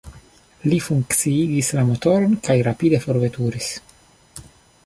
Li funkciigis la motoron kaj rapide forveturis.